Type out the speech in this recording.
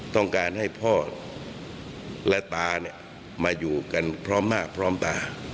ต้องการให้พ่อและตาเนี่ยมาอยู่กันพร้อมมากพร้อมตา